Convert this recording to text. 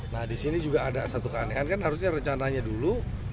nah di sini juga ada satu keanehan kan harusnya rencananya dulu